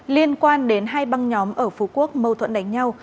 liên quan đến hai băng nhóm ở phú quốc mâu thuẫn đánh nhau